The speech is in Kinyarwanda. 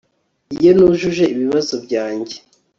iyo nujuje ibibazo byanjye